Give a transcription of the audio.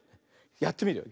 やってみるよ。